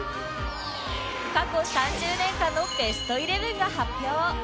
過去３０年間のベストイレブンが発表